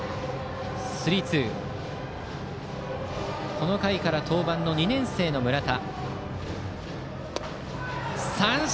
この回から登板２年生の村田。